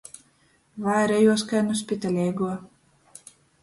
Vairejuos kai nu spitaleiguo.